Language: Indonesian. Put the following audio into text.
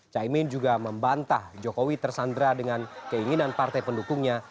caimin juga membantah jokowi tersandra dengan keinginan partai pendukungnya